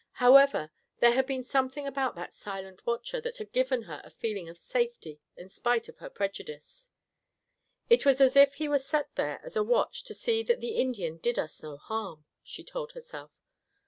However, there had been something about that silent watcher that had given her a feeling of safety in spite of her prejudice. "It was as if he were set there as a watch to see that the Indian did us no harm," she told herself.